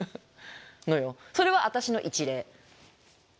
それは私の一例。